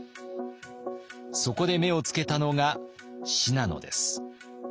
そこで目をつけたのが信濃です。